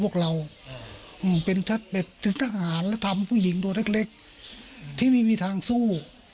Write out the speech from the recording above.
ก็ทำผู้หญิงตัวเล็กที่ไม่มีทางสู้